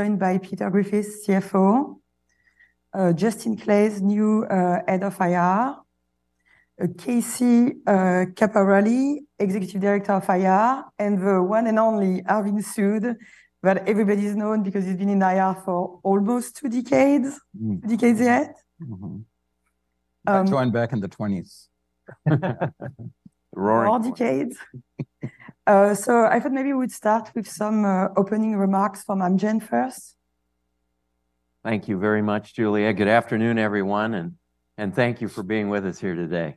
Joined by Peter Griffith, CFO, Justin Claeys, new head of IR, Casey Capparelli, Executive Director of IR, and the one and only Arvind Sood, that everybody's known because he's been in IR for almost two decades. Decades yet? Mm-hmm. Um- I joined back in the '20s. Roaring- Roaring decades. So I thought maybe we'd start with some opening remarks from Amgen first. Thank you very much, Juliette. Good afternoon, everyone, and thank you for being with us here today.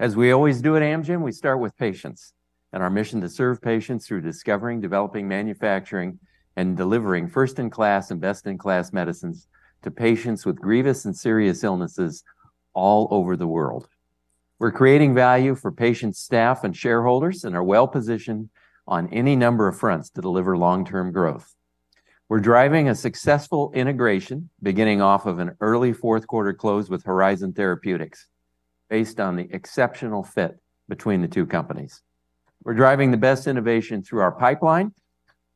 As we always do at Amgen, we start with patients, and our mission to serve patients through discovering, developing, manufacturing, and delivering first-in-class and best-in-class medicines to patients with grievous and serious illnesses all over the world. We're creating value for patients, staff, and shareholders, and are well-positioned on any number of fronts to deliver long-term growth. We're driving a successful integration, beginning off of an early fourth quarter close with Horizon Therapeutics, based on the exceptional fit between the two companies. We're driving the best innovation through our pipeline,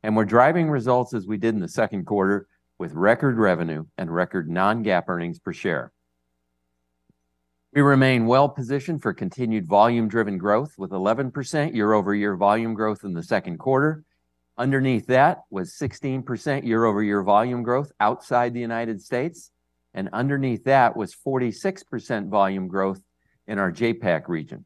and we're driving results as we did in the second quarter, with record revenue and record non-GAAP earnings per share. We remain well-positioned for continued volume-driven growth, with 11% year-over-year volume growth in the second quarter. Underneath that was 16% year-over-year volume growth outside the United States, and underneath that was 46% volume growth in our JAPAC region.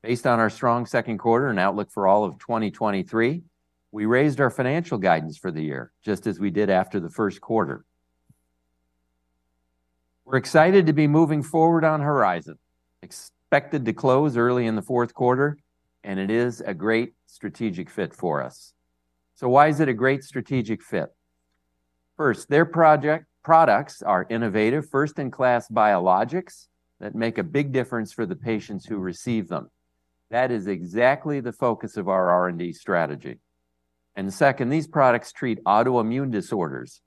Based on our strong second quarter and outlook for all of 2023, we raised our financial guidance for the year, just as we did after the first quarter. We're excited to be moving forward on Horizon, expected to close early in the fourth quarter, and it is a great strategic fit for us. So why is it a great strategic fit? First, their products are innovative, first-in-class biologics that make a big difference for the patients who receive them. That is exactly the focus of our R&D strategy. And second, these products treat autoimmune disorders,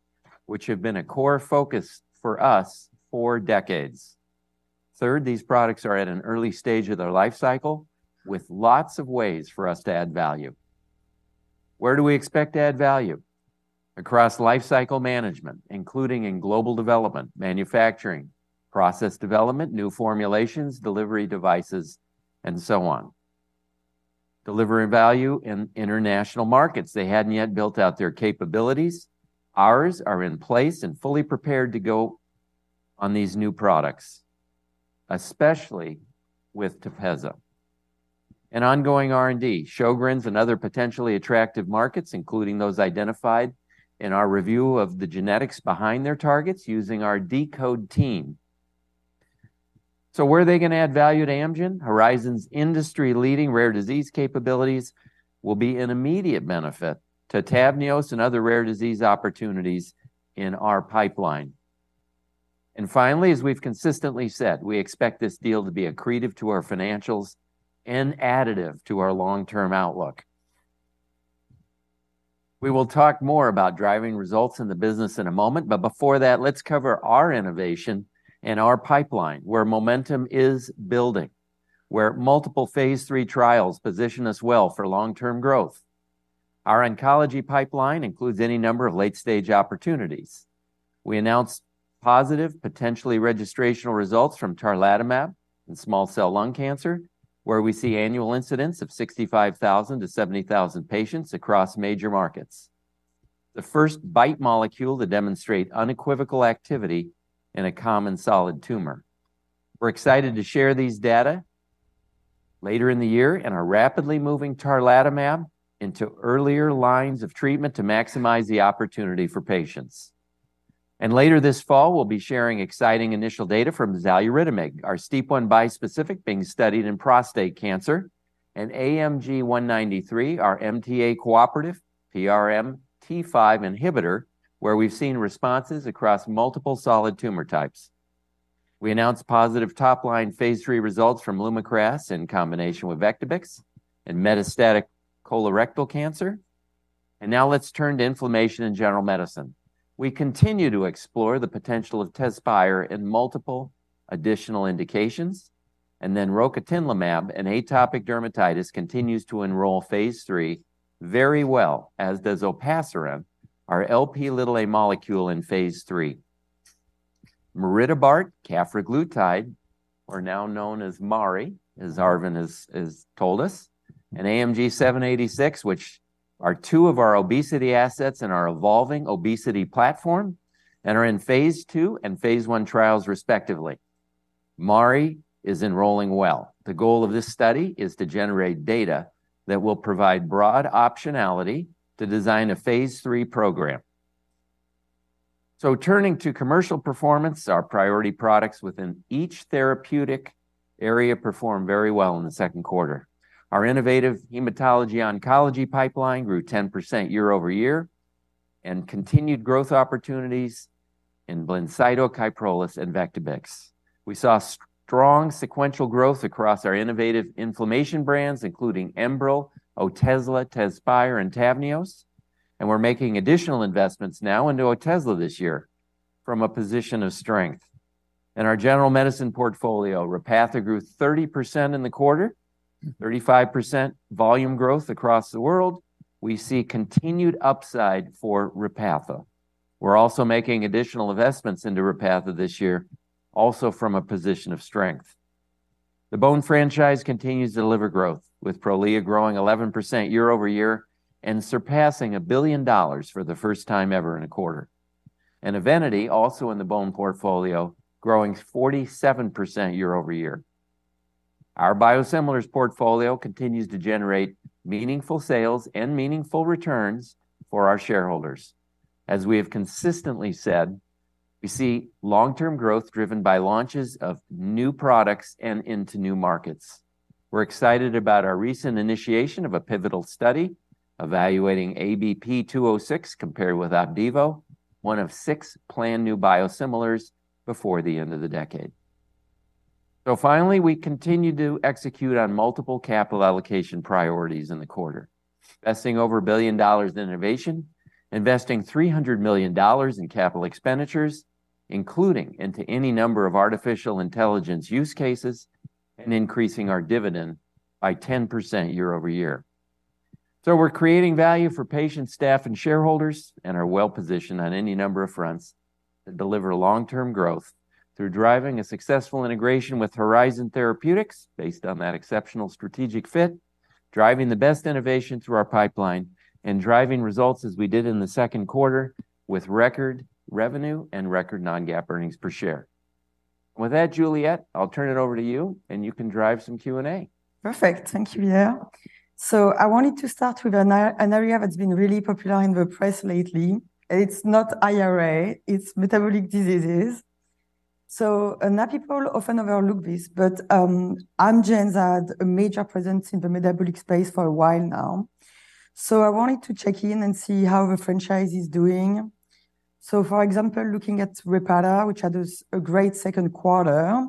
which have been a core focus for us for decades. Third, these products are at an early stage of their life cycle, with lots of ways for us to add value. Where do we expect to add value? Across lifecycle management, including in global development, manufacturing, process development, new formulations, delivery devices, and so on. Delivering value in international markets. They hadn't yet built out their capabilities. Ours are in place and fully prepared to go on these new products, especially with TEPEZZA. And ongoing R&D, Sjögren's and other potentially attractive markets, including those identified in our review of the genetics behind their targets using our deCODE team. So where are they gonna add value to Amgen? Horizon's industry-leading rare disease capabilities will be an immediate benefit to TAVNEOS and other rare disease opportunities in our pipeline. And finally, as we've consistently said, we expect this deal to be accretive to our financials and additive to our long-term outlook. We will talk more about driving results in the business in a moment, but before that, let's cover our innovation and our pipeline, where momentum is building, where multiple phase III trials position us well for long-term growth. Our oncology pipeline includes any number of late-stage opportunities. We announced positive, potentially registrational results from tarlatamab in small cell lung cancer, where we see annual incidents of 65,000-70,000 patients across major markets. The first BiTE molecule to demonstrate unequivocal activity in a common solid tumor. We're excited to share these data later in the year and are rapidly moving tarlatamab into earlier lines of treatment to maximize the opportunity for patients. And later this fall, we'll be sharing exciting initial data from Xaluritamig, our STEAP1 bispecific being studied in prostate cancer, and AMG 193, our MTA-cooperative PRMT5 inhibitor, where we've seen responses across multiple solid tumor types. We announced positive top-line phase III results from Lumakras in combination with Vectibix in metastatic colorectal cancer. And now let's turn to inflammation and general medicine. We continue to explore the potential of TEZSPIRE in multiple additional indications, and then rocatinlimab in atopic dermatitis continues to enroll phase III very well, as does olpasiran, our Lp(a) molecule in phase III. Maridebart cafraglutide, or now known as Mari, as Arvind has told us, and AMG 786, which are two of our obesity assets in our evolving obesity platform, and are in phase II and phase I trials, respectively. Mari is enrolling well. The goal of this study is to generate data that will provide broad optionality to design a phase III program. So turning to commercial performance, our priority products within each therapeutic area performed very well in the second quarter. Our innovative hematology oncology pipeline grew 10% year-over-year, and continued growth opportunities in BLINCYTO, KYPROLIS, and Vectibix. We saw strong sequential growth across our innovative inflammation brands, including ENBREL, Otezla, TEZSPIRE, and TAVNEOS. And we're making additional investments now into Otezla this year from a position of strength, and our general medicine portfolio, Repatha grew 30% in the quarter, 35% volume growth across the world. We see continued upside for Repatha. We're also making additional investments into Repatha this year, also from a position of strength. The bone franchise continues to deliver growth, with Prolia growing 11% year-over-year, and surpassing $1 billion for the first time ever in a quarter. EVENITY, also in the bone portfolio, growing 47% year-over-year. Our biosimilars portfolio continues to generate meaningful sales and meaningful returns for our shareholders. As we have consistently said, we see long-term growth driven by launches of new products and into new markets. We're excited about our recent initiation of a pivotal study evaluating ABP 206 compared with Opdivo, one of six planned new biosimilars before the end of the decade. Finally, we continue to execute on multiple capital allocation priorities in the quarter. Investing over $1 billion in innovation, investing $300 million in capital expenditures, including into any number of artificial intelligence use cases, and increasing our dividend by 10% year-over-year. We're creating value for patients, staff, and shareholders, and are well-positioned on any number of fronts to deliver long-term growth through driving a successful integration with Horizon Therapeutics, based on that exceptional strategic fit, driving the best innovation through our pipeline, and driving results as we did in the second quarter, with record revenue and record non-GAAP earnings per share. With that, Juliette, I'll turn it over to you, and you can drive some Q&A. Perfect. Thank you, Peter. So I wanted to start with an area that's been really popular in the press lately, and it's not IRA, it's metabolic diseases. So, people often overlook this, but Amgen's had a major presence in the metabolic space for a while now. So I wanted to check in and see how the franchise is doing. So, for example, looking at Repatha, which had a great second quarter,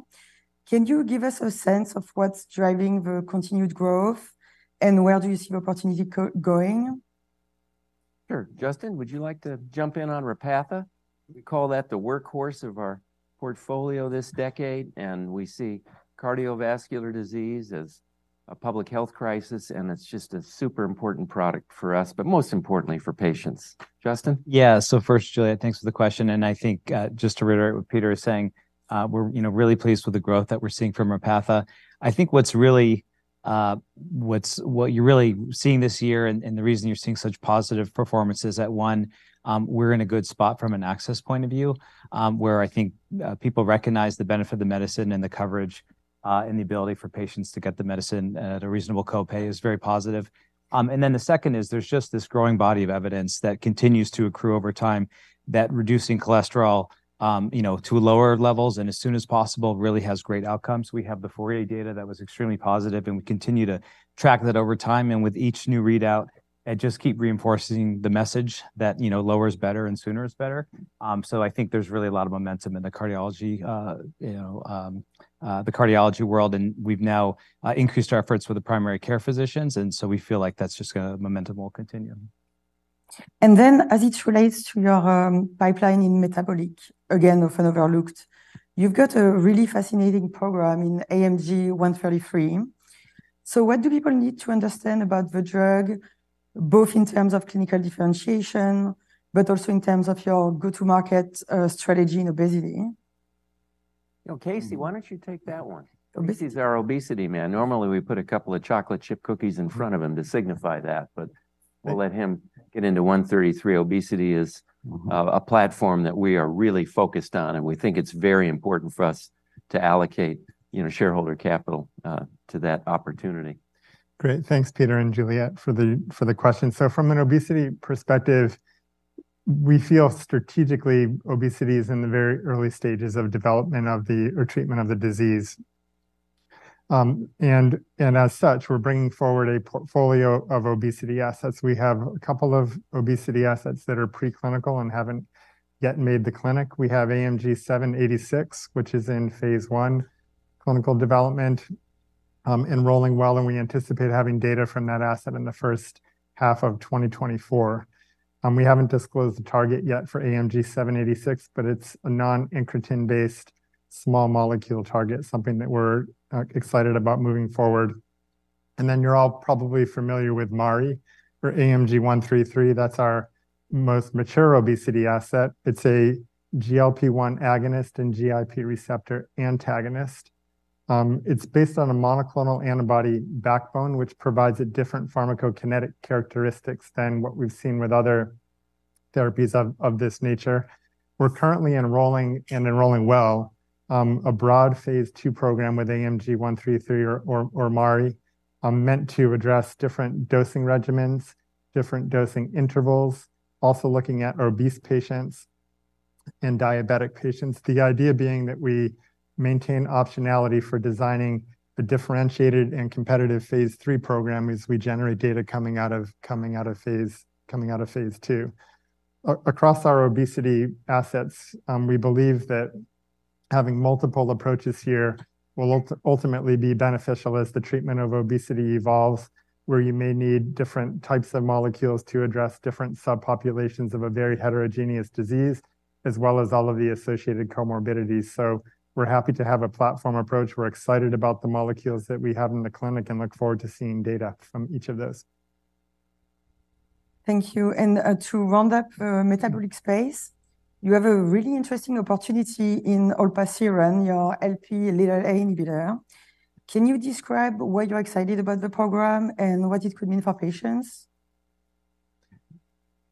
can you give us a sense of what's driving the continued growth, and where do you see the opportunity going? Sure. Justin, would you like to jump in on Repatha? We call that the workhorse of our portfolio this decade, and we see cardiovascular disease as a public health crisis, and it's just a super important product for us, but most importantly for patients. Justin? Yeah. So first, Juliette, thanks for the question, and I think, just to reiterate what Peter is saying, we're, you know, really pleased with the growth that we're seeing from Repatha. I think what's really, what you're really seeing this year, and the reason you're seeing such positive performance is that, one, we're in a good spot from an access point of view, where I think, people recognize the benefit of the medicine and the coverage, and the ability for patients to get the medicine at a reasonable Co-Pay is very positive. And then the second is, there's just this growing body of evidence that continues to accrue over time, that reducing cholesterol, you know, to lower levels and as soon as possible, really has great outcomes. We have the FOURIER data that was extremely positive, and we continue to track that over time, and with each new readout, just keep reinforcing the message that, you know, lower is better and sooner is better. So I think there's really a lot of momentum in the cardiology, you know, the cardiology world, and we've now increased our efforts with the primary care physicians, and so we feel like that's just gonna... momentum will continue. And then, as it relates to your pipeline in metabolic, again, often overlooked, you've got a really fascinating program in AMG 133. So what do people need to understand about the drug, both in terms of clinical differentiation, but also in terms of your go-to-market strategy in obesity? You know, Casey, why don't you take that one? Obesity is our obesity, man. Normally, we put a couple of chocolate chip cookies in front of him to signify that, but we'll let him get into 133. Obesity is- Mm-hmm... a platform that we are really focused on, and we think it's very important for us to allocate, you know, shareholder capital to that opportunity. Great. Thanks, Peter and Juliette, for the question. So from an obesity perspective, we feel strategically, obesity is in the very early stages of development or treatment of the disease. And as such, we're bringing forward a portfolio of obesity assets. We have a couple of obesity assets that are preclinical and haven't yet made the clinic. We have AMG 786, which is in phase I clinical development, enrolling well, and we anticipate having data from that asset in the first half of 2024. We haven't disclosed the target yet for AMG 786, but it's a non-incretin-based small molecule target, something that we're excited about moving forward. And then you're all probably familiar with Mari, or AMG 133. That's our most mature obesity asset. It's a GLP-1 agonist and GIP receptor antagonist. It's based on a monoclonal antibody backbone, which provides a different pharmacokinetic characteristics than what we've seen with other therapies of, of this nature. We're currently enrolling, and enrolling well, a broad phase II program with AMG 133 or Mari, meant to address different dosing regimens, different dosing intervals, also looking at obese patients and diabetic patients. The idea being that we maintain optionality for designing the differentiated and competitive phase III program as we generate data coming out of phase II. Across our obesity assets, we believe that having multiple approaches here will ultimately be beneficial as the treatment of obesity evolves, where you may need different types of molecules to address different subpopulations of a very heterogeneous disease, as well as all of the associated comorbidities. So we're happy to have a platform approach. We're excited about the molecules that we have in the clinic, and look forward to seeing data from each of those. Thank you. To round up metabolic space, you have a really interesting opportunity in Olpasiran, your Lp(a) inhibitor. Can you describe why you're excited about the program and what it could mean for patients?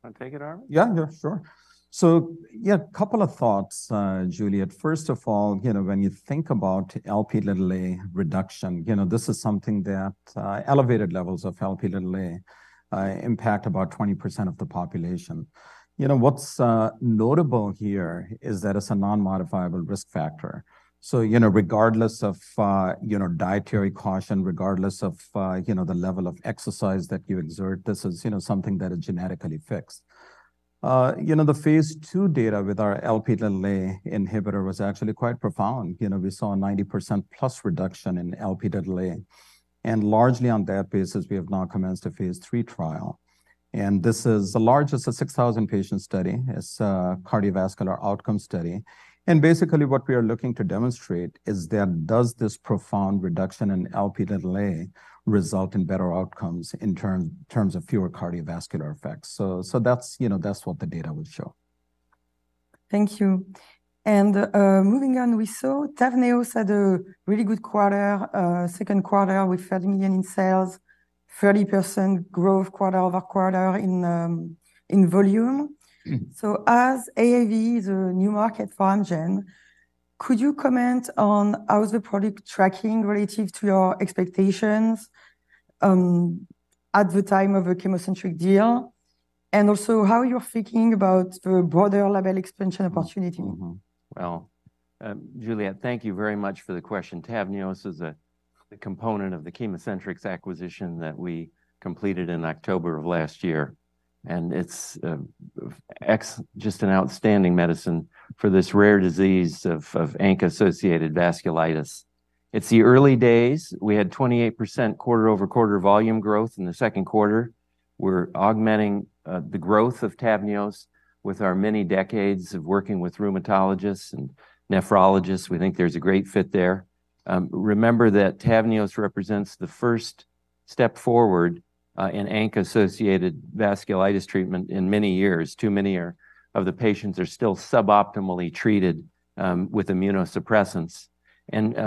Wanna take it, Arvind? Yeah, yeah, sure. So yeah, a couple of thoughts, Juliette. First of all, you know, when you think about Lp(a) reduction, you know, this is something that elevated levels of Lp(a) impact about 20% of the population. You know, what's notable here is that it's a non-modifiable risk factor. So, you know, regardless of, you know, dietary caution, regardless of, you know, the level of exercise that you exert, this is, you know, something that is genetically fixed. You know, the phase II data with our Lp(a) inhibitor was actually quite profound. You know, we saw a 90%+ reduction in Lp(a), and largely on that basis, we have now commenced a phase III trial. And this is the largest, a 6,000-patient study. It's a cardiovascular outcome study. Basically, what we are looking to demonstrate is that, does this profound reduction in Lp result in better outcomes in terms of fewer cardiovascular effects? So that's, you know, that's what the data will show. Thank you. And, moving on, we saw TAVNEOS had a really good quarter, second quarter, with $30 million in sales, 30% growth quarter-over-quarter in volume. Mm. So as AAV, the new market for Amgen, could you comment on how is the product tracking relative to your expectations at the time of a ChemoCentryx deal? And also, how you're thinking about the broader label expansion opportunity? Mm-hmm. Well, Juliette, thank you very much for the question. TAVNEOS is a component of the ChemoCentryx acquisition that we completed in October of last year, and it's just an outstanding medicine for this rare disease of ANCA-associated vasculitis. It's the early days. We had 28% quarter-over-quarter volume growth in the second quarter. We're augmenting the growth of TAVNEOS with our many decades of working with rheumatologists and nephrologists. We think there's a great fit there. Remember that TAVNEOS represents the first step forward in ANCA-associated vasculitis treatment in many years. Too many of the patients are still suboptimally treated with immunosuppressants.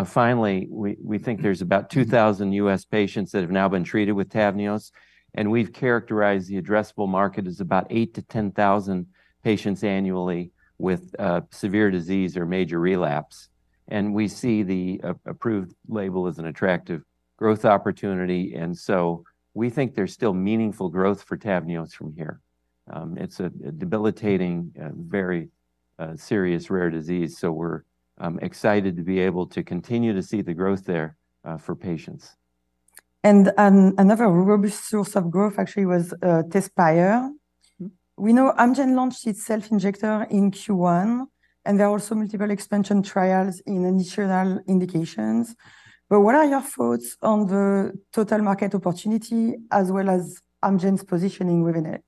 Finally, we think there's about 2,000 U.S. patients that have now been treated with TAVNEOS, and we've characterized the addressable market as about 8,000-10,000 patients annually with severe disease or major relapse. We see the approved label as an attractive growth opportunity, and so we think there's still meaningful growth for TAVNEOS from here. It's a debilitating, very serious rare disease, so we're excited to be able to continue to see the growth there for patients. Another robust source of growth actually was TEZSPIRE. Mm. We know Amgen launched its self-injector in Q1, and there are also multiple expansion trials in initial indications. But what are your thoughts on the total market opportunity, as well as Amgen's positioning within it?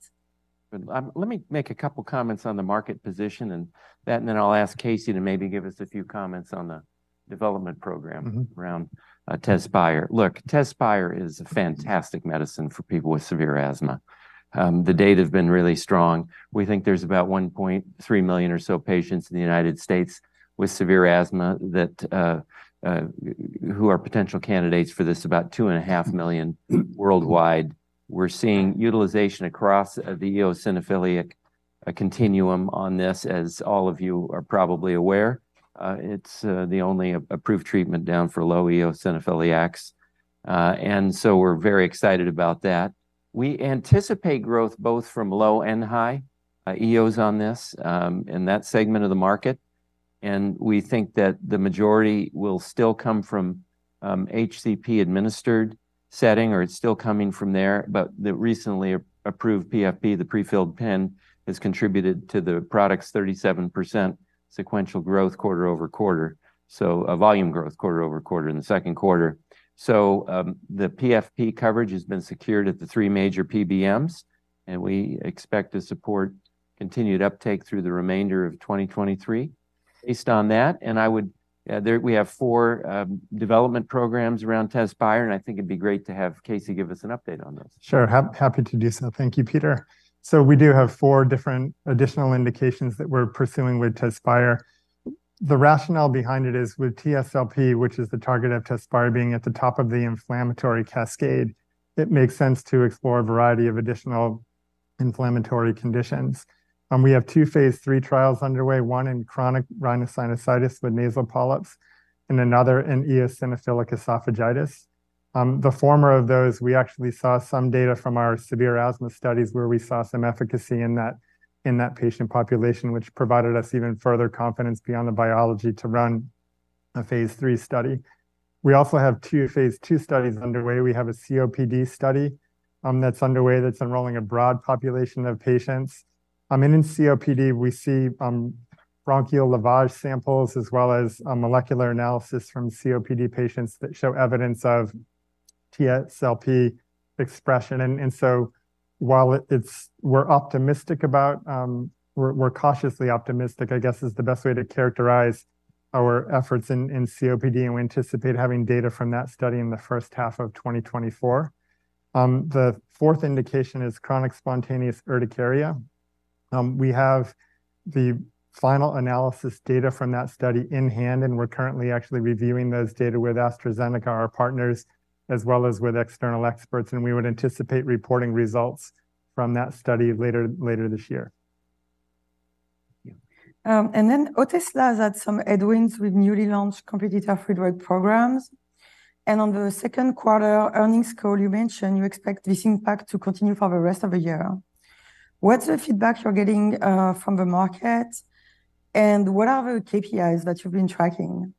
Good. Let me make a couple comments on the market position and that, and then I'll ask Casey to maybe give us a few comments on the development program- Mm-hmm... around TEZSPIRE. Look, TEZSPIRE is a fantastic medicine for people with severe asthma. The data have been really strong. We think there's about 1.3 million or so patients in the United States with severe asthma that who are potential candidates for this, about 2.5 million- Mm... worldwide. We're seeing utilization across the eosinophilic continuum on this, as all of you are probably aware. It's the only approved treatment for low eosinophilics. And so we're very excited about that. We anticipate growth both from low and high EOS on this in that segment of the market. And we think that the majority will still come from HCP-administered setting, or it's still coming from there, but the recently approved PFP, the prefilled pen, has contributed to the product's 37% sequential growth quarter-over-quarter, so a volume growth quarter-over-quarter in the second quarter. So the PFP coverage has been secured at the three major PBMs, and we expect to support continued uptake through the remainder of 2023. Based on that, and I would... There we have four development programs around TEZSPIRE, and I think it'd be great to have Casey give us an update on this. Sure. Happy to do so. Thank you, Peter. So we do have four different additional indications that we're pursuing with TEZSPIRE. The rationale behind it is, with TSLP, which is the target of TEZSPIRE, being at the top of the inflammatory cascade, it makes sense to explore a variety of additional inflammatory conditions. We have two phase III trials underway, one in chronic rhinosinusitis with nasal polyps and another in eosinophilic esophagitis. The former of those, we actually saw some data from our severe asthma studies, where we saw some efficacy in that, in that patient population, which provided us even further confidence beyond the biology to run a phase III study. We also have two phase II studies underway. We have a COPD study, that's underway that's enrolling a broad population of patients. And in COPD, we see bronchial lavage samples as well as a molecular analysis from COPD patients that show evidence of TSLP expression. And so while it's-- we're optimistic about-- we're cautiously optimistic, I guess, is the best way to characterize our efforts in COPD, and we anticipate having data from that study in the first half of 2024. The fourth indication is chronic spontaneous urticaria. We have the final analysis data from that study in hand, and we're currently actually reviewing those data with AstraZeneca, our partners, as well as with external experts, and we would anticipate reporting results from that study later this year. Then Otezla has had some headwinds with newly launched competitor free drug programs. On the second quarter earnings call, you mentioned you expect this impact to continue for the rest of the year. What's the feedback you're getting from the market, and what are the KPIs that you've been tracking?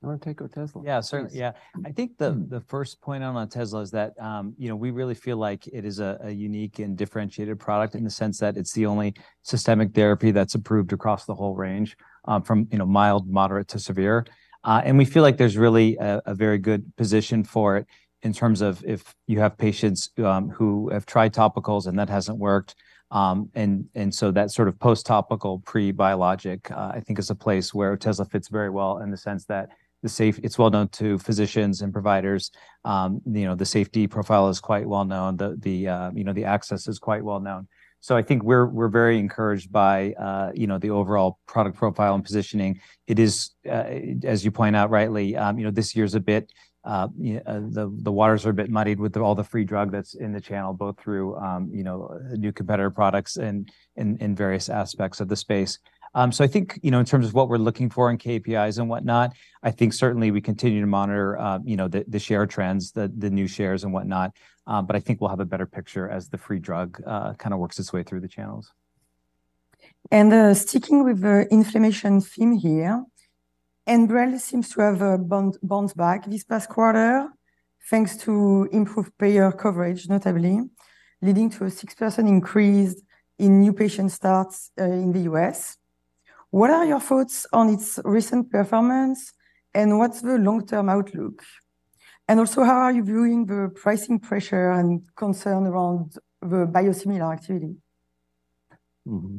You want to take Otezla? Yeah, certainly. Yeah. I think the first point out on Otezla is that, you know, we really feel like it is a unique and differentiated product in the sense that it's the only systemic therapy that's approved across the whole range, from, you know, mild, moderate to severe. And we feel like there's really a very good position for it in terms of if you have patients, who have tried topicals and that hasn't worked. And so that sort of post-topical, pre-biologic, I think, is a place where Otezla fits very well in the sense that the safety—it's well known to physicians and providers. You know, the safety profile is quite well known. The, you know, the access is quite well known. So I think we're very encouraged by, you know, the overall product profile and positioning. It is, as you point out, rightly, you know, this year's a bit, the waters are a bit muddied with all the free drug that's in the channel, both through, you know, new competitor products and in, various aspects of the space. So I think, you know, in terms of what we're looking for in KPIs and whatnot, I think certainly we continue to monitor, you know, the share trends, the new shares and whatnot. But I think we'll have a better picture as the free drug, kind of works its way through the channels. Sticking with the inflammation theme here, ENBREL seems to have bounce, bounced back this past quarter, thanks to improved payer coverage, notably, leading to a 6% increase in new patient starts in the U.S. What are your thoughts on its recent performance, and what's the long-term outlook? And also, how are you viewing the pricing pressure and concern around the biosimilar activity? Mm-hmm.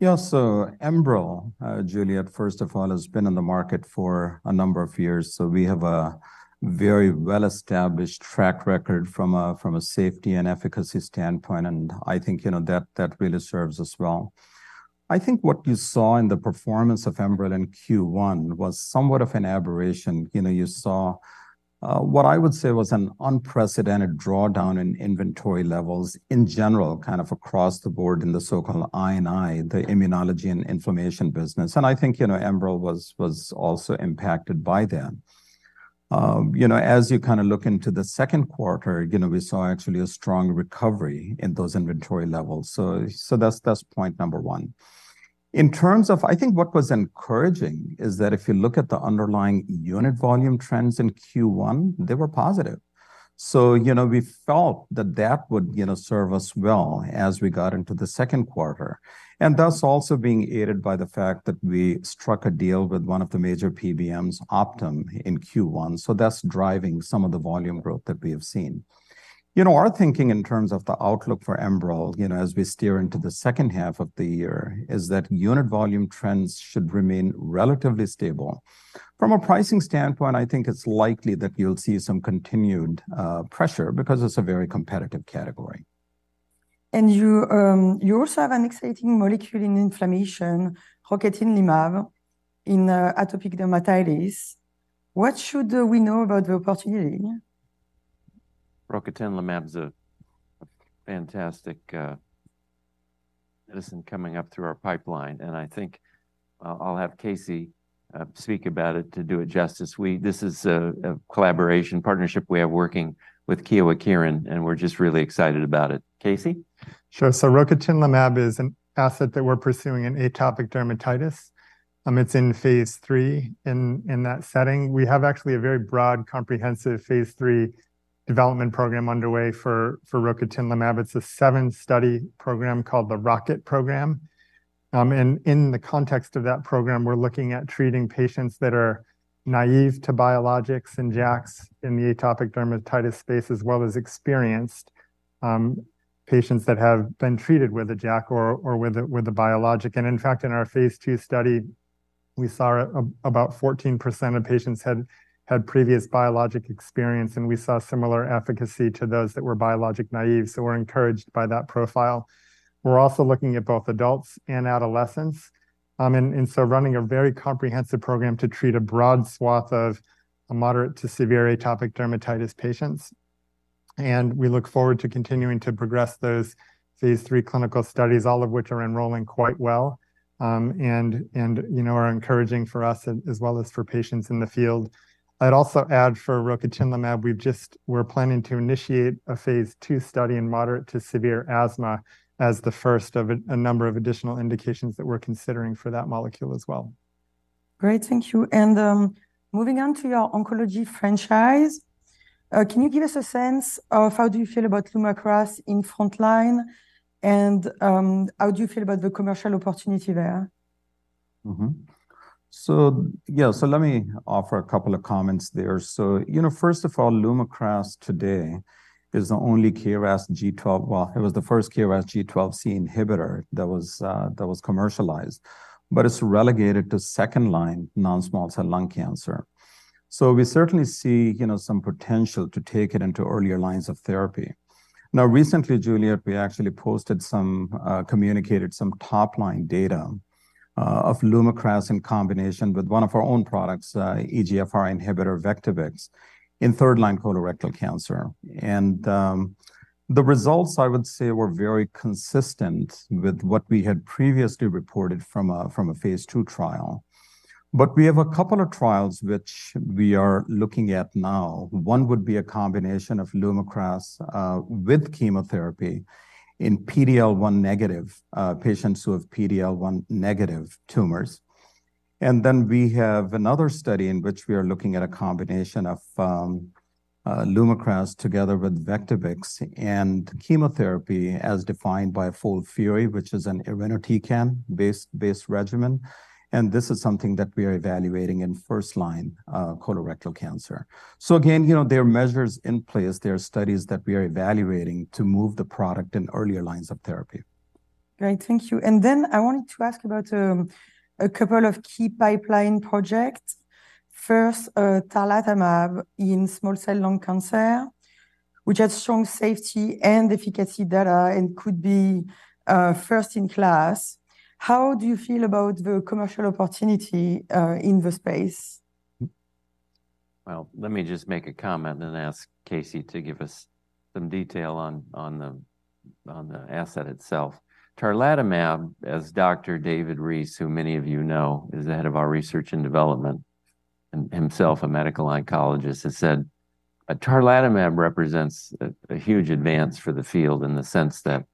Yeah, so ENBREL, Juliette, first of all, has been on the market for a number of years, so we have a very well-established track record from a safety and efficacy standpoint, and I think, you know, that really serves us well. I think what you saw in the performance of ENBREL in Q1 was somewhat of an aberration. You know, you saw what I would say was an unprecedented drawdown in inventory levels in general, kind of across the board in the so-called I&I, the immunology and inflammation business. And I think, you know, ENBREL was also impacted by that. You know, as you kind of look into the second quarter, you know, we saw actually a strong recovery in those inventory levels. So that's point number one. In terms of... I think what was encouraging is that if you look at the underlying unit volume trends in Q1, they were positive. So, you know, we felt that that would, you know, serve us well as we got into the second quarter. And that's also being aided by the fact that we struck a deal with one of the major PBMs, Optum, in Q1, so that's driving some of the volume growth that we have seen. You know, our thinking in terms of the outlook for ENBREL, you know, as we steer into the second half of the year, is that unit volume trends should remain relatively stable. From a pricing standpoint, I think it's likely that you'll see some continued pressure because it's a very competitive category. You, you also have an exciting molecule in inflammation, Rocatinlimab, in atopic dermatitis. What should we know about the opportunity? Rocatinlimab is a fantastic medicine coming up through our pipeline, and I think I'll have Casey speak about it to do it justice. This is a collaboration partnership we have working with Kyowa Kirin, and we're just really excited about it. Casey? Sure. So rocatinlimab is an asset that we're pursuing in atopic dermatitis. It's in phase III in that setting. We have actually a very broad, comprehensive phase III development program underway for rocatinlimab. It's a seven-study program called the ROCKET program. And in the context of that program, we're looking at treating patients that are naive to biologics and JAKs in the atopic dermatitis space, as well as experienced patients that have been treated with a JAK or with a biologic. And in fact, in our phase II study, we saw about 14% of patients had previous biologic experience, and we saw similar efficacy to those that were biologic naive, so we're encouraged by that profile. We're also looking at both adults and adolescents, and so running a very comprehensive program to treat a broad swath of moderate to severe atopic dermatitis patients. We look forward to continuing to progress those phase III clinical studies, all of which are enrolling quite well, you know, are encouraging for us as well as for patients in the field. I'd also add for rocatinlimab, we're planning to initiate a phase II study in moderate to severe asthma as the first of a number of additional indications that we're considering for that molecule as well. Great, thank you. And, moving on to your oncology franchise, can you give us a sense of how do you feel about Lumakras in frontline? And, how do you feel about the commercial opportunity there? Mm-hmm. So, yeah, so let me offer a couple of comments there. So, you know, first of all, Lumakras today is the only KRAS G12... Well, it was the first KRAS G12C inhibitor that was, that was commercialized, but it's relegated to second-line non-small cell lung cancer. So we certainly see, you know, some potential to take it into earlier lines of therapy. Now, recently, Juliet, we actually posted some, communicated some top-line data, of Lumakras in combination with one of our own products, EGFR inhibitor, Vectibix, in third-line colorectal cancer. And, the results, I would say, were very consistent with what we had previously reported from a, from a phase II trial. But we have a couple of trials which we are looking at now. One would be a combination of Lumakras with chemotherapy in PD-L1 negative patients who have PD-L1 negative tumors. Then we have another study in which we are looking at a combination of Lumakras together with Vectibix and chemotherapy, as defined by FOLFIRI, which is an irinotecan-based regimen, and this is something that we are evaluating in first-line colorectal cancer. So again, you know, there are measures in place. There are studies that we are evaluating to move the product in earlier lines of therapy. Great, thank you. And then I wanted to ask about a couple of key pipeline projects. First, tarlatamab in small cell lung cancer, which has strong safety and efficacy data and could be first in class. How do you feel about the commercial opportunity in the space? Well, let me just make a comment and then ask Casey to give us some detail on the asset itself. Tarlatamab, as Dr. David Reese, who many of you know, is the head of our research and development, and himself a medical oncologist, has said, "Tarlatamab represents a huge advance for the field in the sense that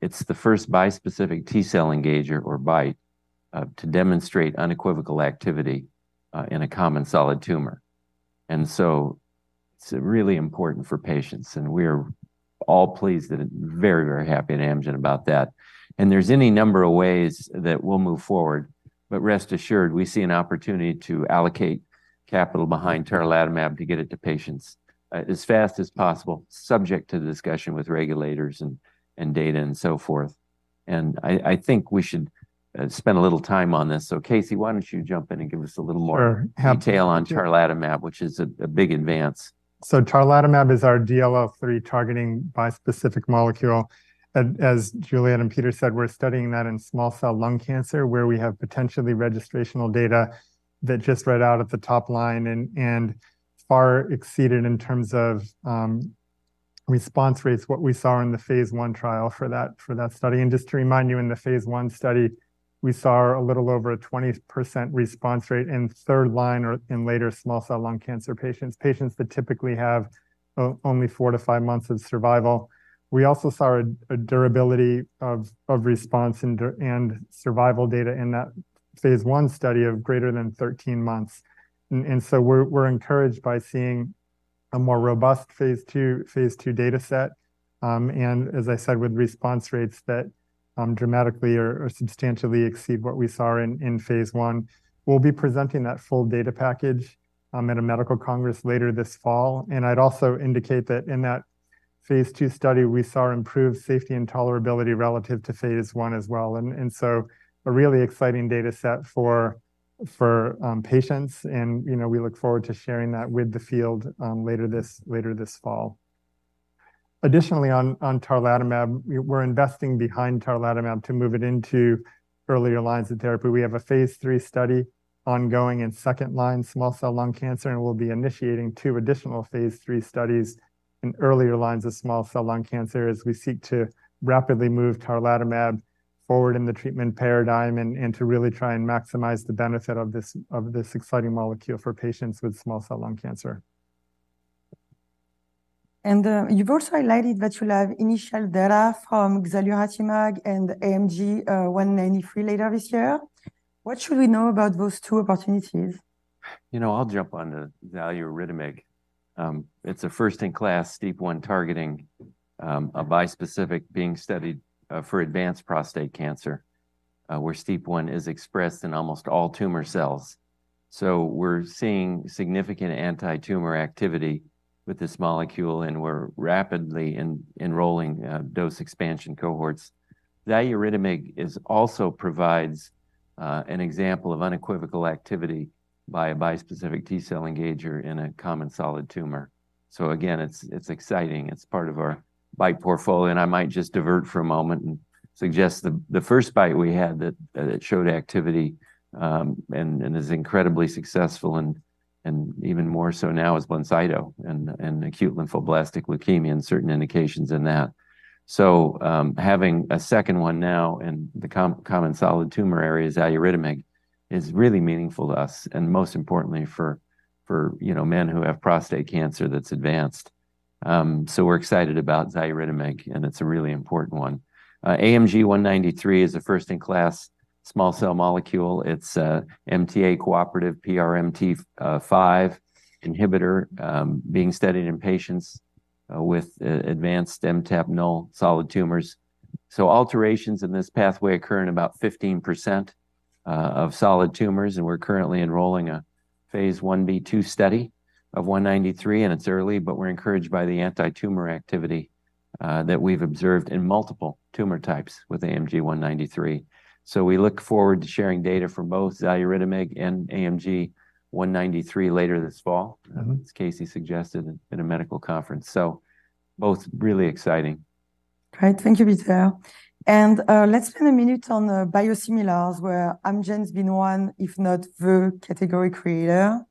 it's the first bispecific T-cell engager or BiTE to demonstrate unequivocal activity in a common solid tumor." And so it's really important for patients, and we're all pleased and very, very happy at Amgen about that. And there's any number of ways that we'll move forward, but rest assured, we see an opportunity to allocate capital behind tarlatamab to get it to patients as fast as possible, subject to the discussion with regulators and data and so forth. And I think we should spend a little time on this. So, Casey, why don't you jump in and give us a little more- Sure, happy- detail on tarlatamab, which is a big advance. Tarlatamab is our DLL3-targeting bispecific molecule. As Juliette and Peter said, we're studying that in small cell lung cancer, where we have potentially registrational data that just read out at the top line and far exceeded, in terms of response rates, what we saw in the phase I trial for that study. And just to remind you, in the phase I study, we saw a little over a 20% response rate in third line or in later small cell lung cancer patients, patients that typically have only 4-5 months of survival. We also saw a durability of response and survival data in that phase I study of greater than 13 months. We're encouraged by seeing a more robust phase II dataset, and as I said, with response rates that dramatically or substantially exceed what we saw in phase I. We'll be presenting that full data package at a medical congress later this fall. I'd also indicate that in that phase II study, we saw improved safety and tolerability relative to phase I as well. So a really exciting dataset for patients, and you know, we look forward to sharing that with the field later this fall. Additionally, on tarlatamab, we're investing behind tarlatamab to move it into earlier lines of therapy. We have a phase III study ongoing in second-line small cell lung cancer, and we'll be initiating two additional phase III studies in earlier lines of small cell lung cancer as we seek to rapidly move tarlatamab forward in the treatment paradigm, and to really try and maximize the benefit of this exciting molecule for patients with small cell lung cancer. You've also highlighted that you'll have initial data from Xaluritamig and AMG 193 later this year. What should we know about those two opportunities? You know, I'll jump on to Xaluritamig. It's a first-in-class STEAP1 targeting, a bispecific being studied, for advanced prostate cancer, where STEAP1 is expressed in almost all tumor cells. So we're seeing significant anti-tumor activity with this molecule, and we're rapidly enrolling, dose expansion cohorts. Xaluritamig is also provides, an example of unequivocal activity by a bispecific T-cell engager in a common solid tumor. So again, it's exciting. It's part of our BiTE portfolio, and I might just divert for a moment and suggest the first BiTE we had that that showed activity, and is incredibly successful, and even more so now, is BLINCYTO in acute lymphoblastic leukemia, and certain indications in that. Having a second one now in the common solid tumor area as Xaluritamig is really meaningful to us, and most importantly, for, for, you know, men who have prostate cancer that's advanced. We're excited about Xaluritamig, and it's a really important one. AMG 193 is a first-in-class small molecule. It's a MTA-cooperative PRMT5 inhibitor being studied in patients with advanced MTAP null solid tumors. Alterations in this pathway occur in about 15% of solid tumors, and we're currently enrolling a phase I-B2 study of 193, and it's early, but we're encouraged by the anti-tumor activity that we've observed in multiple tumor types with AMG 193. We look forward to sharing data from both Xaluritamig and AMG 193 later this fall, as Casey suggested, in a medical conference. So both really exciting. Great. Thank you, Peter. Let's spend a minute on the biosimilars, where Amgen's been one, if not the category creator.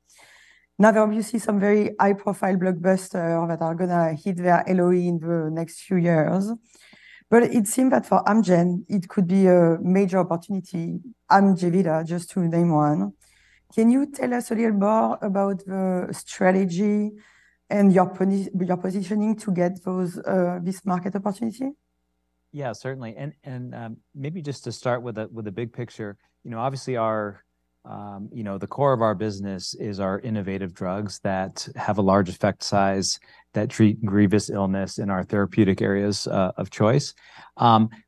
Now, there are obviously some very high-profile blockbuster that are gonna hit their LOE in the next few years. But it seems that for Amgen, it could be a major opportunity, AMJEVITA, just to name one. Can you tell us a little more about the strategy and your positioning to get those, this market opportunity? Yeah, certainly. And maybe just to start with a big picture, you know, obviously our... You know, the core of our business is our innovative drugs that have a large effect size, that treat grievous illness in our therapeutic areas of choice.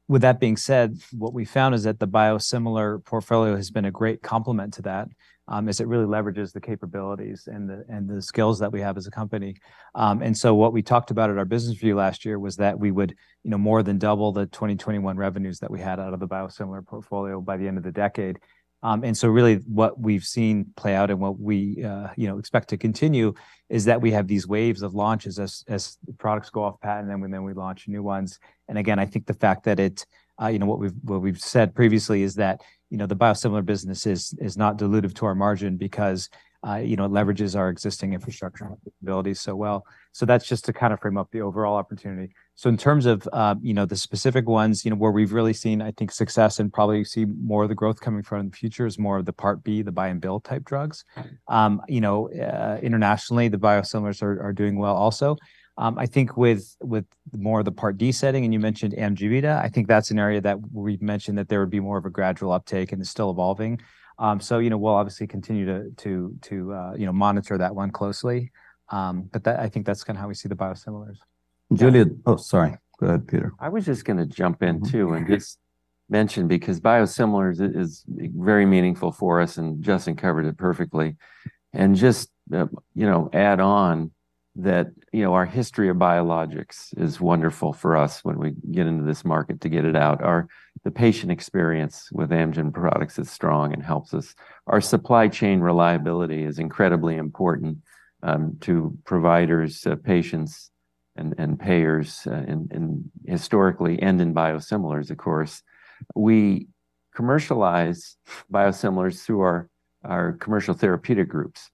With that being said, what we found is that the biosimilar portfolio has been a great complement to that, as it really leverages the capabilities and the skills that we have as a company. And so what we talked about at our business review last year was that we would, you know, more than double the 2021 revenues that we had out of the biosimilar portfolio by the end of the decade. And so really what we've seen play out and what we, you know, expect to continue, is that we have these waves of launches as products go off patent, and then we launch new ones. And again, I think the fact that it, you know, what we've said previously is that, you know, the biosimilar business is not dilutive to our margin because, you know, it leverages our existing infrastructure and capabilities so well. So that's just to kind of frame up the overall opportunity. So in terms of, you know, the specific ones, you know, where we've really seen, I think, success and probably see more of the growth coming from in the future is more of the Part B, the buy and bill type drugs. You know, internationally, the biosimilars are doing well also. I think with more of the Part D setting, and you mentioned AMJEVITA, I think that's an area that we've mentioned that there would be more of a gradual uptake, and it's still evolving. So, you know, we'll obviously continue to monitor that one closely. But I think that's kind of how we see the biosimilars. Oh, sorry. Go ahead, Peter. I was just gonna jump in too and just mention, because biosimilars is very meaningful for us, and Justin covered it perfectly. And just, you know, add on that, you know, our history of biologics is wonderful for us when we get into this market to get it out. Our patient experience with Amgen products is strong and helps us. Our supply chain reliability is incredibly important to providers, patients, and payers, and historically, and in biosimilars, of course. We commercialize biosimilars through our commercial therapeutic groups.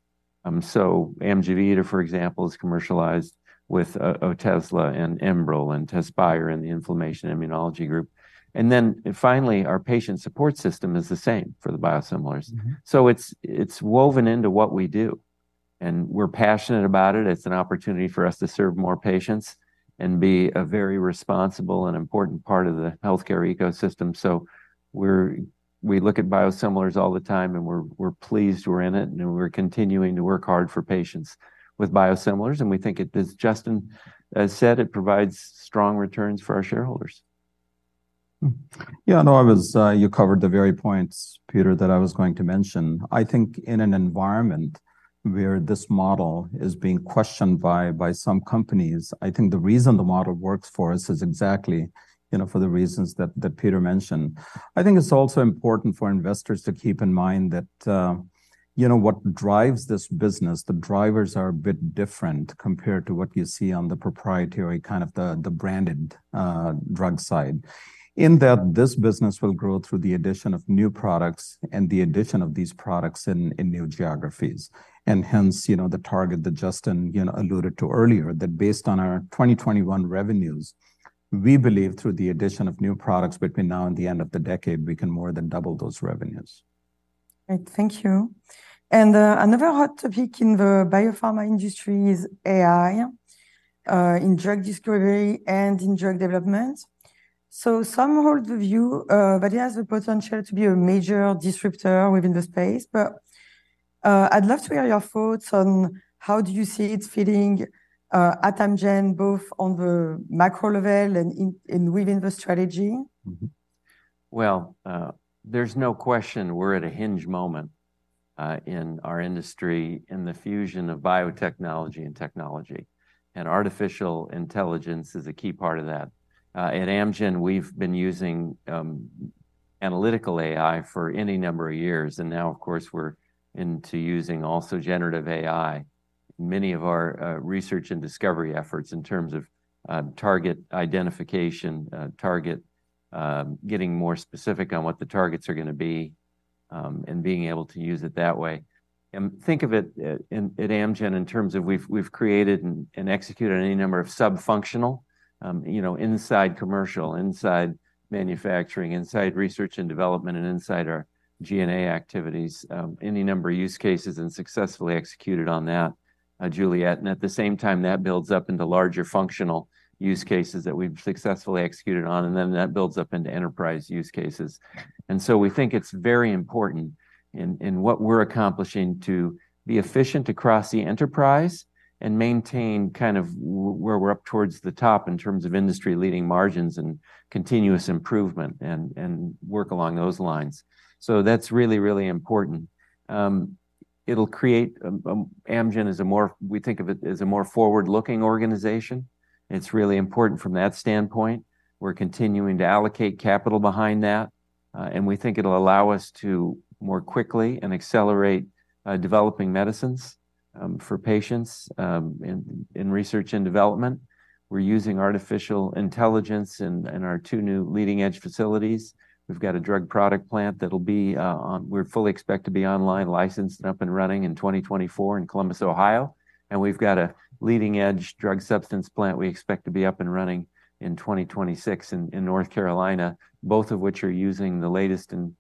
So AMJEVITA, for example, is commercialized with Otezla and ENBREL and TEZSPIRE and the inflammation immunology group. And then finally, our patient support system is the same for the biosimilars. So it's, it's woven into what we do, and we're passionate about it. It's an opportunity for us to serve more patients and be a very responsible and important part of the healthcare ecosystem. So we look at biosimilars all the time, and we're, we're pleased we're in it, and we're continuing to work hard for patients with biosimilars, and we think it is... Justin has said it provides strong returns for our shareholders. Hmm. Yeah, no, I was, you covered the very points, Peter, that I was going to mention. I think in an environment where this model is being questioned by some companies, I think the reason the model works for us is exactly, you know, for the reasons that Peter mentioned. I think it's also important for investors to keep in mind that, you know, what drives this business, the drivers are a bit different compared to what you see on the proprietary, kind of the branded drug side. In that, this business will grow through the addition of new products and the addition of these products in new geographies. And hence, you know, the target that Justin, you know, alluded to earlier, that based on our 2021 revenues, we believe through the addition of new products between now and the end of the decade, we can more than double those revenues. Great, thank you. And another hot topic in the biopharma industry is AI in drug discovery and in drug development. So some hold the view that it has the potential to be a major disruptor within the space, but I'd love to hear your thoughts on how do you see it fitting at Amgen, both on the macro level and in, and within the strategy? Well, there's no question we're at a hinge moment in our industry, in the fusion of biotechnology and technology, and artificial intelligence is a key part of that. At Amgen, we've been using analytical AI for any number of years, and now, of course, we're into using also generative AI. Many of our research and discovery efforts in terms of target identification, target, getting more specific on what the targets are gonna be, and being able to use it that way. Think of it at, in, at Amgen in terms of we've created and executed any number of sub-functional use cases, you know, inside commercial, inside manufacturing, inside research and development, and inside our G&A activities, any number of use cases and successfully executed on that, Juliette. At the same time, that builds up into larger functional use cases that we've successfully executed on, and then that builds up into enterprise use cases. So we think it's very important in what we're accomplishing to be efficient across the enterprise and maintain kind of where we're up towards the top in terms of industry-leading margins and continuous improvement, and work along those lines. That's really, really important. It'll create Amgen as a more—we think of it as a more forward-looking organization, and it's really important from that standpoint. We're continuing to allocate capital behind that, and we think it'll allow us to more quickly and accelerate developing medicines for patients in research and development. We're using artificial intelligence in our two new leading-edge facilities. We've got a drug product plant that'll be online, licensed, up and running in 2024 in Columbus, Ohio, and we've got a leading-edge drug substance plant we expect to be up and running in 2026 in North Carolina, both of which are using the latest and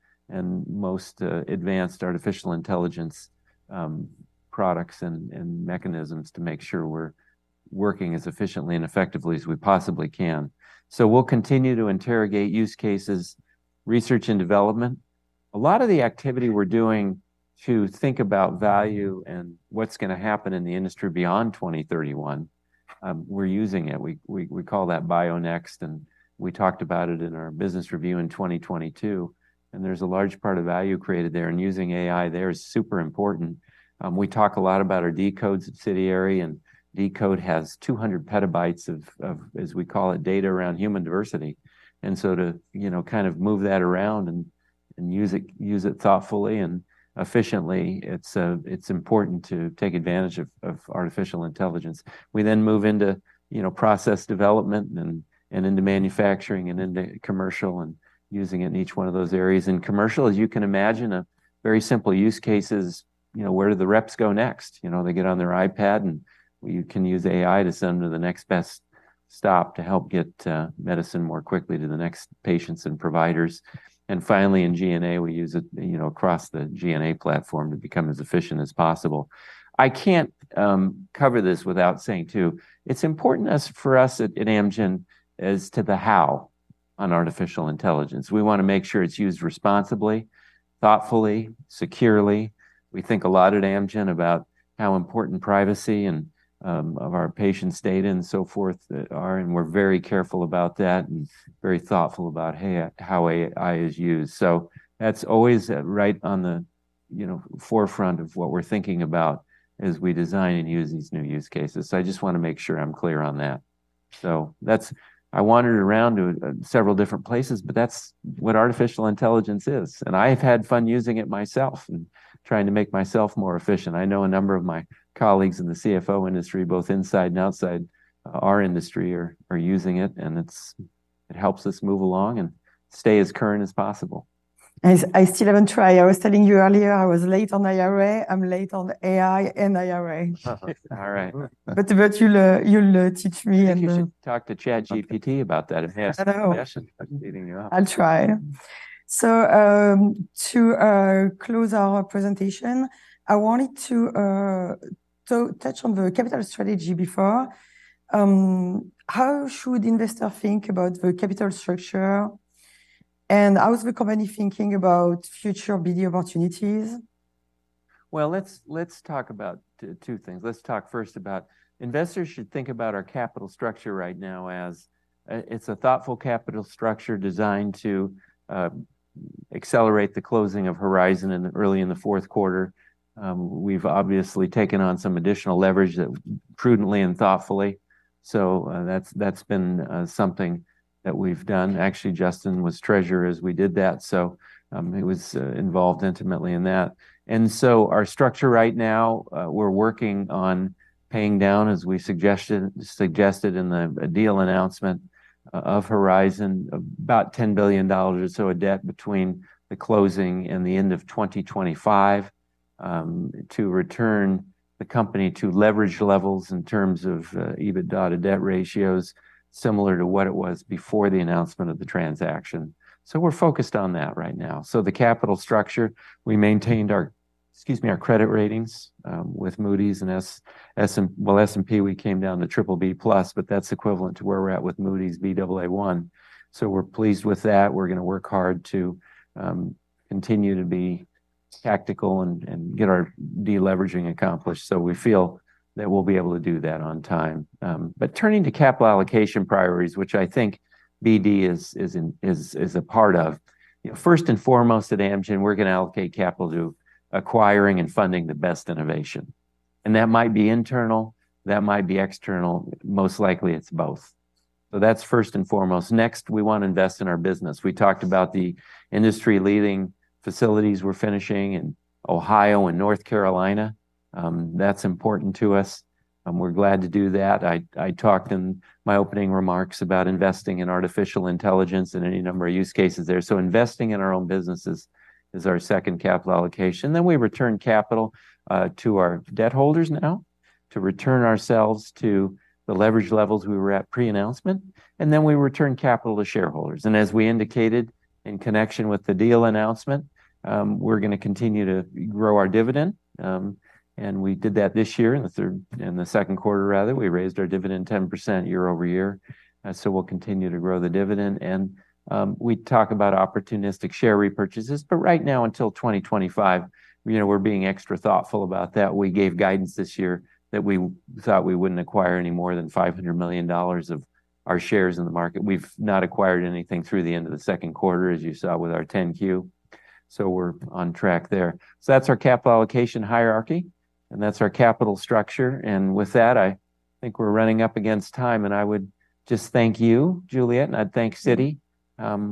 most advanced artificial intelligence products and mechanisms to make sure we're working as efficiently and effectively as we possibly can. So we'll continue to interrogate use cases, research and development. A lot of the activity we're doing to think about value and what's gonna happen in the industry beyond 2031, we're using it. We call that Bionext, and we talked about it in our business review in 2022, and there's a large part of value created there, and using AI there is super important. We talk a lot about our deCODE subsidiary, and deCODE has 200 PB of, as we call it, data around human diversity. And so to, you know, kind of move that around and use it thoughtfully and efficiently, it's important to take advantage of artificial intelligence. We then move into, you know, process development and into manufacturing, and into commercial, and using it in each one of those areas. In commercial, as you can imagine, a very simple use case is, you know, where do the reps go next? You know, they get on their iPad, and you can use AI to send them to the next best stop to help get medicine more quickly to the next patients and providers. And finally, in G&A, we use it, you know, across the G&A platform to become as efficient as possible. I can't cover this without saying, too, it's important as for us at, in Amgen as to the how on artificial intelligence. We wanna make sure it's used responsibly, thoughtfully, securely. We think a lot at Amgen about how important privacy and of our patients' data and so forth are, and we're very careful about that and very thoughtful about how AI is used. So that's always right on the, you know, forefront of what we're thinking about as we design and use these new use cases. So I just wanna make sure I'm clear on that. So that's- I wandered around to several different places, but that's what artificial intelligence is, and I've had fun using it myself and trying to make myself more efficient. I know a number of my colleagues in the CFO industry, both inside and outside our industry, are using it, and it helps us move along and stay as current as possible. I still haven't tried. I was telling you earlier, I was late on IRA, I'm late on AI and IRA. All right. But you'll teach me and— I think you should talk to ChatGPT about that and ask- I know... yes, it's getting you up. I'll try. So, to close our presentation, I wanted to touch on the capital strategy before. How should investors think about the capital structure, and how is the company thinking about future BD opportunities? Well, let's talk about two things. Let's talk first about... Investors should think about our capital structure right now as it's a thoughtful capital structure designed to accelerate the closing of Horizon in the early in the fourth quarter. We've obviously taken on some additional leverage prudently and thoughtfully, so that's something that we've done. Actually, Justin was treasurer as we did that, so he was involved intimately in that. And so our structure right now, we're working on paying down, as we suggested in the deal announcement of Horizon, about $10 billion of debt between the closing and the end of 2025, to return the company to leverage levels in terms of EBITDA to debt ratios, similar to what it was before the announcement of the transaction. So we're focused on that right now. So the capital structure, we maintained our... Excuse me, our credit ratings with Moody's and S&P, we came down to BBB+, but that's equivalent to where we're at with Moody's Baa1. So we're pleased with that. We're gonna work hard to continue to be tactical and get our deleveraging accomplished, so we feel that we'll be able to do that on time. But turning to capital allocation priorities, which I think BD is a part of, you know, first and foremost, at Amgen, we're gonna allocate capital to acquiring and funding the best innovation. And that might be internal, that might be external. Most likely, it's both. So that's first and foremost. Next, we want to invest in our business. We talked about the industry-leading facilities we're finishing in Ohio and North Carolina. That's important to us, and we're glad to do that. I talked in my opening remarks about investing in artificial intelligence in any number of use cases there. So investing in our own business is our second capital allocation. Then we return capital to our debt holders now, to return ourselves to the leverage levels we were at pre-announcement, and then we return capital to shareholders. And as we indicated in connection with the deal announcement, we're gonna continue to grow our dividend. And we did that this year in the second quarter rather. We raised our dividend 10% year-over-year, so we'll continue to grow the dividend. We talk about opportunistic share repurchases, but right now until 2025, you know, we're being extra thoughtful about that. We gave guidance this year that we thought we wouldn't acquire any more than $500 million of our shares in the market. We've not acquired anything through the end of the second quarter, as you saw with our 10-Q, so we're on track there. So that's our capital allocation hierarchy, and that's our capital structure, and with that, I think we're running up against time, and I would just thank you, Juliette, and I'd thank Citi.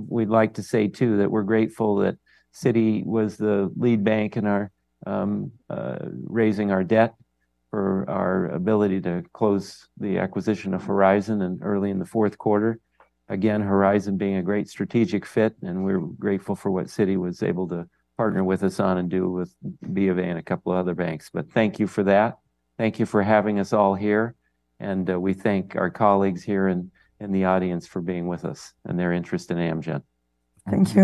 We'd like to say too, that we're grateful that Citi was the lead bank in our raising our debt for our ability to close the acquisition of Horizon in early in the fourth quarter. Again, Horizon being a great strategic fit, and we're grateful for what Citi was able to partner with us on and do with BofA and a couple of other banks. But thank you for that. Thank you for having us all here, and, we thank our colleagues here in the audience for being with us and their interest in Amgen. Thank you.